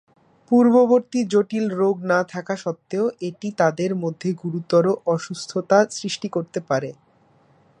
পূর্ববর্তী জটিল রোগ না থাকা সত্ত্বেও এটি তাদের মধ্যে গুরুতর অসুস্থতা সৃষ্টি করতে পারে।